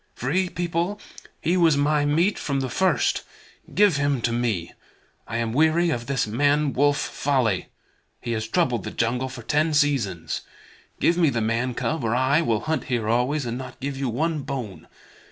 Free People, he was my meat from the first. Give him to me. I am weary of this man wolf folly. He has troubled the jungle for ten seasons. Give me the man cub, or I will hunt here always, and not give you one bone.